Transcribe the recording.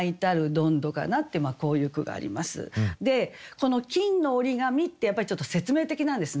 この「金の折紙」ってやっぱりちょっと説明的なんですね。